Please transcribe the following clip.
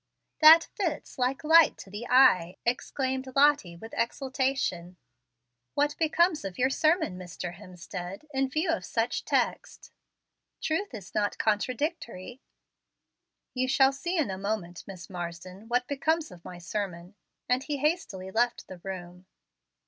"That fits like light to the eye," exclaimed Lottie, with exultation. "What becomes of your sermon, Mr. Hemstead, in view of such texts? Truth is not contradictory." "You shall see in a moment, Miss Marsden what becomes of my sermon," and he hastily left the room.